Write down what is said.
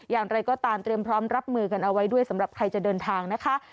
อย่างไรก็ตามเตรียมพร้อมรับมือกันเอาไว้ด้วยสำหรับใครจะเดินทางนะคะ